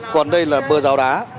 còn đây là bờ rào đá